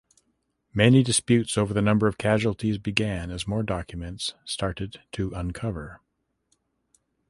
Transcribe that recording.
Many disputes over the number of casualties began as more documents started to uncover.